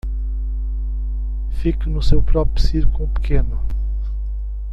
Fique no seu próprio círculo pequeno